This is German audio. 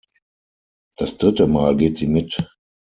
Das dritte Mal geht sie mit.